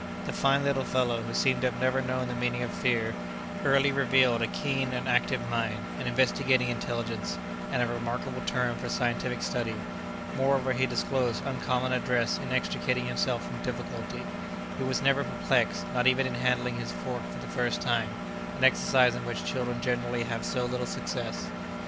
The fine little fellow, who seemed to have never known the meaning of fear, early revealed a keen and active mind, an investigating intelligence, and a remarkable turn for scientific study; moreover, he disclosed uncommon address in extricating himself from difficulty; he was never perplexed, not even in handling his fork for the first time—an exercise in which children generally have so little success.